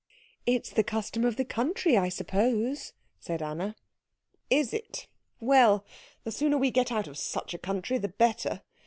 "It's the custom of the country, I suppose," said Anna. "Is it? Well the sooner we get out of such a country the better.